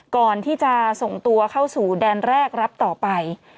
ก่อนที่จะส่งตัวเข้าสู่แดนแรกรับต่อไป